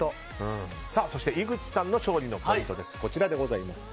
そして井口さんの勝利のポイント。